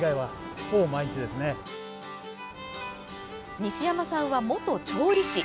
西山さんは元調理師。